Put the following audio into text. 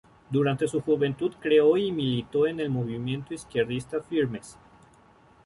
Durante su juventud creó y militó en el movimiento izquierdista "Firmes".